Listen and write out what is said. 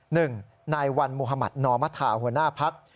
หนึ่งนายวันมุธมัธนอมธาหัวหน้าพัก